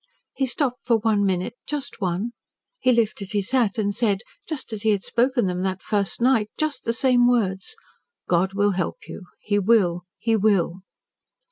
He stopped for one minute just one he lifted his hat and said, just as he had spoken them that first night just the same words, 'God will help you. He will. He will.'"